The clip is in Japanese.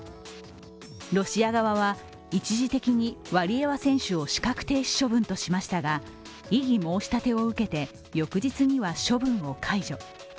ロシア側は、一時的にワリエワ選手を資格停止処分としましたが、異議申し立てを受けて翌日には処分を解除。